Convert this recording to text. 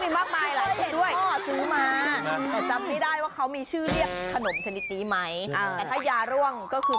มีหรือจำไม่ได้ว่าเขามีชื่อเรียกขนมชนิตมิแต่ถ้ายาร่วงก็คือ